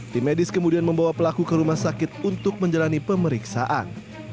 tim medis kemudian membawa pelaku ke rumah sakit untuk menjalani pemeriksaan